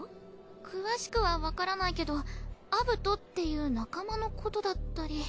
詳しくはわからないけどアブトっていう仲間のことだったり。